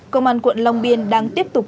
công an quận long biên đang tiếp tục